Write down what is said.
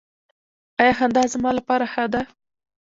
ایا خندا زما لپاره ښه ده؟